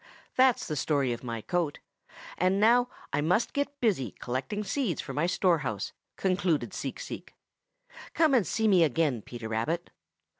That's the story of my coat, and now I must get busy collecting seeds for my storehouse," concluded Seek Seek. "Come and see me again, Peter Rabbit."